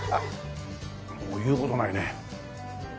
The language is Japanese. もう言う事ないね。